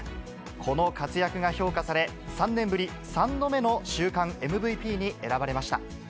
この活躍が評価され、３年ぶり３度目の週間ＭＶＰに選ばれました。